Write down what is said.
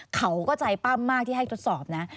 เขาก็ใจปั้มมากที่ให้ทดสอบนะ